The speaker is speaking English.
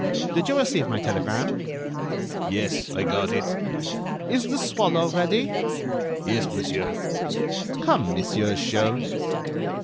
Did you receive my telegram?" "Yes, I got it." "Is The Swallow ready?" "Yes, monsieur." "Come, Monsieur Sholmes."